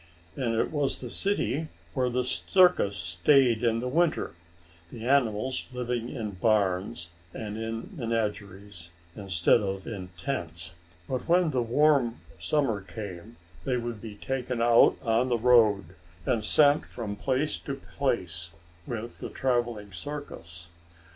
And it was the city where the circus stayed in winter, the animals living in barns, and in menageries, instead of in tents. But when the warm summer came, they would be taken out on the road, and sent from place to place with the traveling circus.